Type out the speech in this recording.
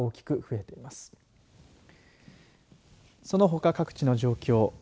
そのほか各地の状況